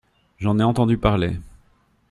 J’en ai entendu parler.